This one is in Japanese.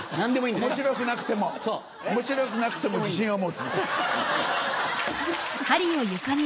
面白くなくても面白くなくても自信を持つの。